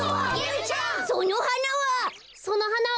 そのはなは。